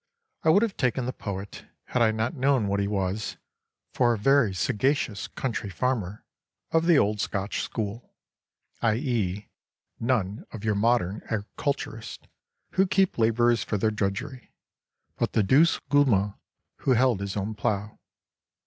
I would have taken the poet, had I not known what he was, for a very sagacious country farmer of the old Scotch school; i.e. none of your modern agriculturists, who keep labourers for their drudgery, but the douce gudeman who held his own plough.